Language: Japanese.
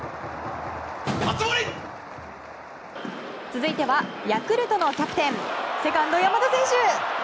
続いてはヤクルトのキャプテンセカンド、山田選手。